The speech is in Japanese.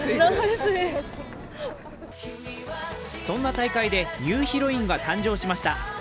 そんな大会でニューヒロインが誕生しました。